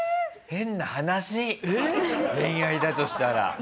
変な話恋愛だとしたら。